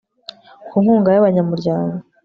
Ku inkunga y abanyamuryango